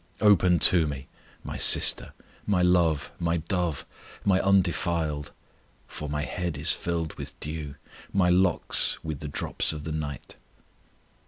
Open to Me, My sister, My love, My dove, My undefiled: For My head is filled with dew, My locks with the drops of the night.